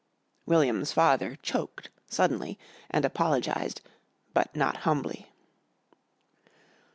William's father choked suddenly and apologised, but not humbly.